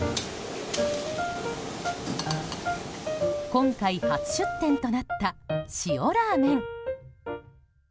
今回、初出店となった塩ラーメン。